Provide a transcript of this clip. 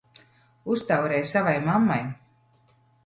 Uztaurē savai mammai!